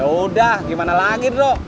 yaudah gimane lagin dok